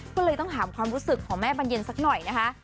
ก็เลยต้องถามความรู้สึกของแม่บรรเย็นสักหน่อยนะคะ